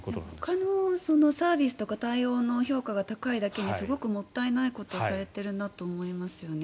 ほかのサービスとか対応の評価が高いだけにすごくもったいないことをされているなと思いますよね。